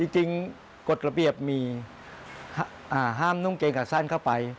กฎระเบียบมีห้ามนุ่งเกงขาสั้นเข้าไป